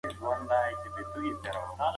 هغوی لا دمخه خپلې دندې بشپړې کړي دي.